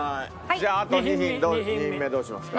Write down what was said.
じゃああと２品２品目どうしますか？